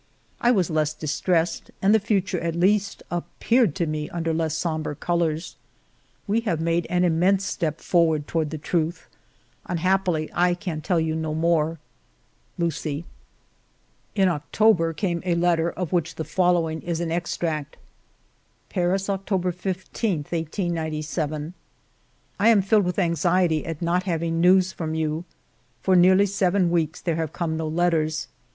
I was less dis tressed, and the future at least appeared to me under less sombre colors. ..." We have made an immense step forward toward the truth. Unhappily I can tell you no more. Lucie." ALFRED DREYFUS 259 In October came a letter, of which the follow ing is an extract :— Paris, August 15, 1897. " I am filled with anxiety at not having news from you. For nearly seven weeks there have come no letters. ...